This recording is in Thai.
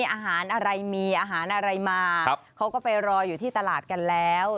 อาหารอะไรมีอาหารอะไรมาเขาก็ไปรออยู่ที่ตลาดกันแล้ว